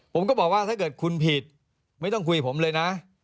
ผมก็บอกว่าถ้าเกิดคุณผิดไม่ต้องคุยผมเลยนะ